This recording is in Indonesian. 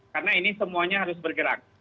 karena ini semuanya harus bergerak